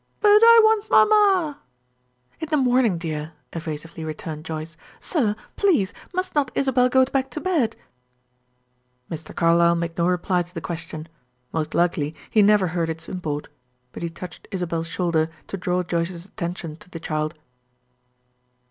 "But I want mamma." "In the morning, dear," evasively returned Joyce. "Sir, please, must not Isabel go back to bed?" Mr. Carlyle made no reply to the question; most likely he never heard its import. But he touched Isabel's shoulder to draw Joyce's attention to the child.